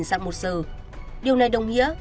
sạc một giờ điều này đồng nghĩa